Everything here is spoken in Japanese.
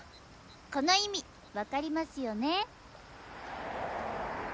この意味分かりますよね。